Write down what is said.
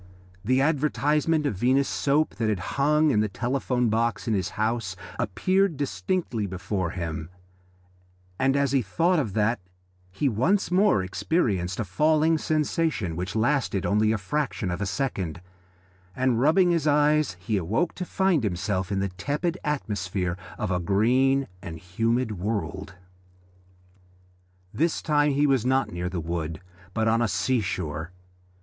The advertisement of Venus Soap that had hung in the telephone box in his house appeared distinctly before him, and as he thought of that he once more experienced a falling sensation which lasted only a fraction of a second, and rubbing his eyes he awoke to find himself in the tepid atmosphere of a green and humid world. This time he was not near the wood, but on the sea shore.